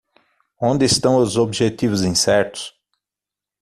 Onde estão os objetivos incertos?